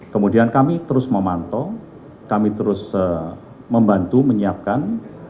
kemudian kami terus memantau kami terus membantu menyiapkan